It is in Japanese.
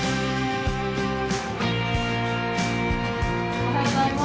おはようございます。